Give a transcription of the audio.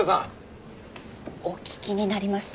お聞きになりました？